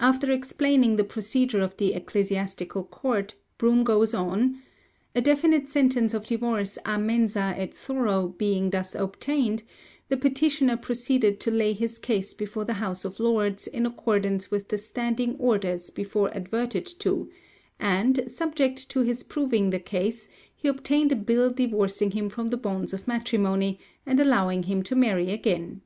After explaining the procedure of the ecclesiastical court, Broom goes on: "A definitive sentence of divorce a mensâ et thoro being thus obtained, the petitioner proceeded to lay his case before the House of Lords in accordance with the Standing Orders before adverted to, and, subject to his proving the case, he obtained a bill divorcing him from the bonds of matrimony, and allowing him to marry again.